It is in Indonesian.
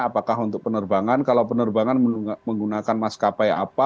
apakah untuk penerbangan kalau penerbangan menggunakan maskapai apa